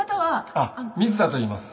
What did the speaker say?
あっ水田といいます